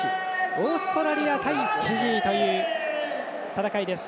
オーストラリア対フィジーという戦いです。